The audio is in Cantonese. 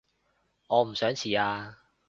我唔想遲啊